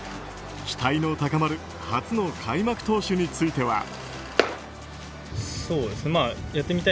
期待の高まる初の開幕投手については。